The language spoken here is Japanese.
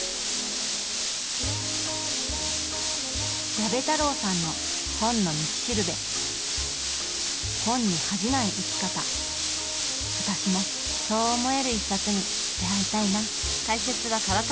矢部太郎さんの「本の道しるべ」本に恥じない生き方私もそう思える一冊に出会いたいな。